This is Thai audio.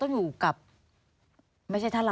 สวัสดีค่ะที่จอมฝันครับ